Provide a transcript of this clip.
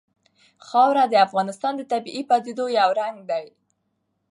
خاوره د افغانستان د طبیعي پدیدو یو رنګ دی.